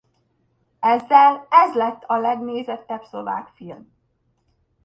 Ezzel ez lett a legnézettebb szlovák film.